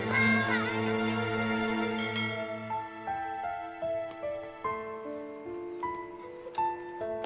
lala anak preman